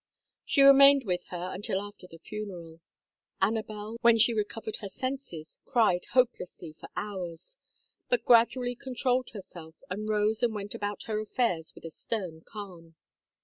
She remained with her until after the funeral. Anabel, when she recovered her senses, cried hopelessly for hours, but gradually controlled herself and rose and went about her affairs with a stern calm.